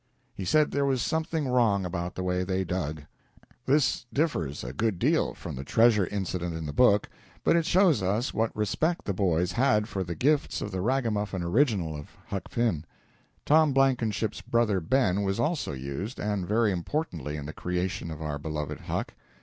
He said there was something wrong about the way they dug. This differs a good deal from the treasure incident in the book, but it shows us what respect the boys had for the gifts of the ragamuffin original of Huck Finn. Tom Blankenship's brother Ben was also used, and very importantly, in the creation of our beloved Huck.